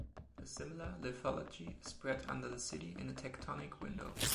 A similar lithology is spread under the city in a tectonic window.